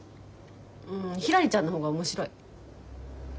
うんひらりちゃんの方が面白い。